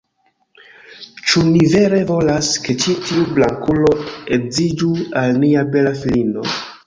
"Ĉu ni vere volas, ke ĉi tiu blankulo edziĝu al nia bela filino?"